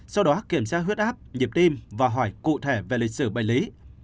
sau đó kiểm soát huyết áp nhịp tim và hỏi cụ thể về lịch sử bệnh lý